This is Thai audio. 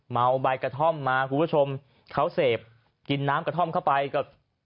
ใบกระท่อมมาคุณผู้ชมเขาเสพกินน้ำกระท่อมเข้าไปกับ